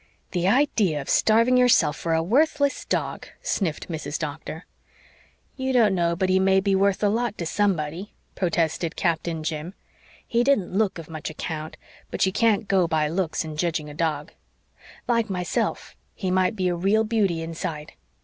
"The idea of starving yourself for a worthless dog!" sniffed Mrs. Doctor. "You don't know but he may be worth a lot to somebody," protested Captain Jim. "He didn't LOOK of much account, but you can't go by looks in jedging a dog. Like meself, he might be a real beauty inside.